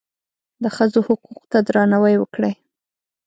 د ښځو حقوقو ته درناوی وکړئ